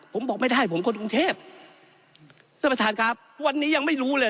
ผมบอกไม่ได้ผมคนกรุงเทพท่านประธานครับวันนี้ยังไม่รู้เลย